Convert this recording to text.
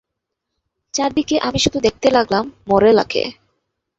চারদিকে আমি শুধু দেখতে লাগলাম মোরেলাকে।